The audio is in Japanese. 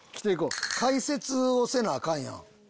解説をせなアカンやん。